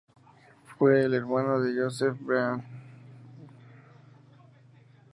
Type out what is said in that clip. Fue el hermano de Joseph Brian.